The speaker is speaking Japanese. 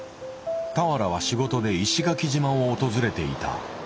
俵は仕事で石垣島を訪れていた。